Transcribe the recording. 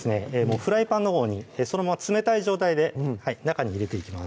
フライパンのほうにそのまま冷たい状態で中に入れていきます